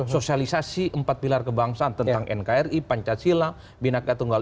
sosialisasi empat pilar kebangsaan tentang nkri pancasila binaka tunggal